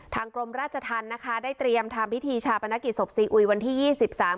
กรมราชธรรมนะคะได้เตรียมทำพิธีชาปนกิจศพซีอุยวันที่ยี่สิบสาม